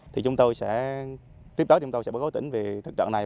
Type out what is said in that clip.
thì chúng tôi sẽ tiếp đó chúng tôi sẽ bố gói tỉnh về thực trạng này